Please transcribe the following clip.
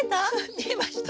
見えました。